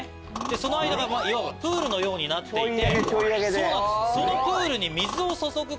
その間がプールのようになっていて。